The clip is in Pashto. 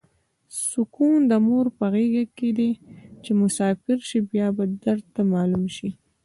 سوکون د مور په غیګه ده چی مسافر شی بیا به درته معلومه شی